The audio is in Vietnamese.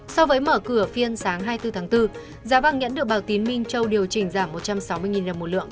so với mở cửa phiên sáng hai mươi bốn tháng bốn giá vàng nhẫn được bảo tín minh châu điều chỉnh giảm một trăm sáu mươi đồng một lượng